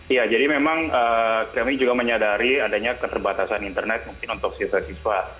ya jadi memang kami juga menyadari adanya keterbatasan internet mungkin untuk siswa siswa